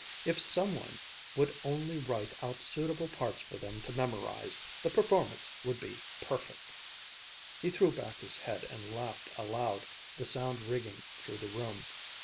If some one would only write out suitable parts for them to memorize, the performance would be perfect!" He threw back his head and laughed aloud, the sound ringing through the room.